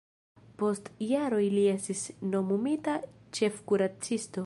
Post jaroj li estis nomumita ĉefkuracisto.